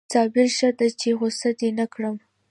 صابره ښه ده چې غصه دې نه کړم